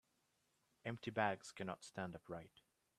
Empty bags cannot stand upright.